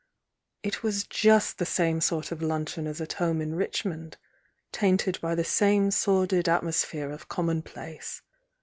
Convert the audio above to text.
It was just the same sort of luncheon as at home in Richmond, tainted by the same sordid atmosphere of commonplace.